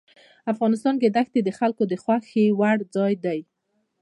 افغانستان کې دښتې د خلکو د خوښې وړ ځای دی.